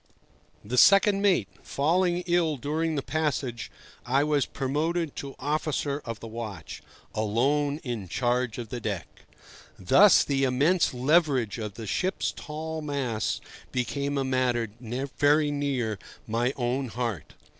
The second mate falling ill during the passage, I was promoted to officer of the watch, alone in charge of the deck. Thus the immense leverage of the ship's tall masts became a matter very near my own heart.